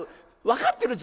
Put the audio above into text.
分かってる？